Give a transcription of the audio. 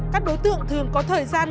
các đối tượng thường có thời gian